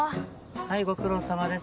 はいご苦労さまです。